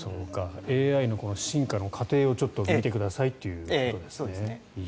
ＡＩの進化の過程を見てくださいということですね。